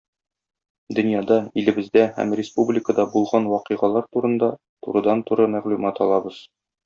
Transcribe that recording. Дөньяда, илебездә һәм республикада булган вакыйгалар турында турыдан-туры мәгълүмат алабыз.